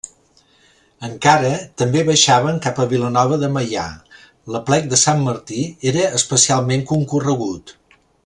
Encara, també baixaven cap a Vilanova de Meià: l'aplec de sant Martí era especialment concorregut.